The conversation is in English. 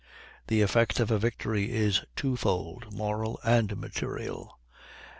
The effect of a victory is two fold, moral and material.